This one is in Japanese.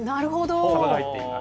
さばが入っています。